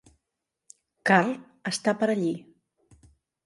Karl està per allí.